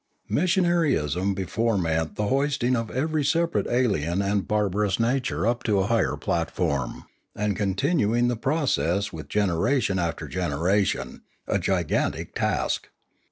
Missionaryism before meant the hoisting of every separate alien and barbarous na ture up to a higher platform, and continuing the pro cess with generation after generation, a gigantic task.